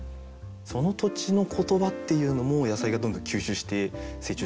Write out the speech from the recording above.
その土地の言葉っていうのも野菜がどんどん吸収して成長している。